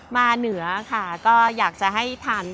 เหนือค่ะก็อยากจะให้ทาน